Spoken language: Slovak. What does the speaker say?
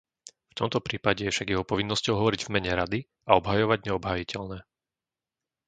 V tomto prípade je však jeho povinnosťou hovoriť v mene Rady a obhajovať neobhájiteľné.